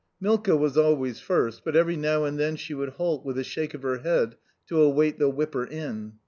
Milka was always first, but every now and then she would halt with a shake of her head to await the whipper in.